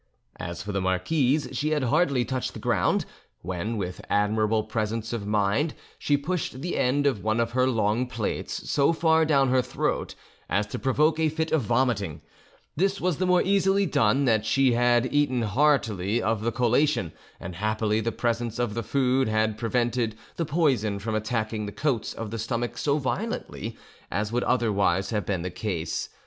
As for the marquise, she had hardly touched the ground, when with admirable presence of mind she pushed the end of one of her long plaits so far down her throat as to provoke a fit of vomiting; this was the more easily done that she had eaten heartily of the collation, and happily the presence of the food had prevented the poison from attacking the coats of the stomach so violently as would otherwise have been the case.